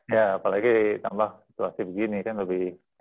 ya apalagi ditambah situasi begini kan lebih